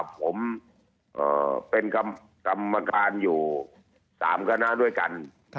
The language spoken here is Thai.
ผมเป็นกรรมการอยู่๓คณะด้วยกัน